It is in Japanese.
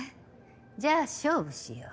じゃあ勝負しよう。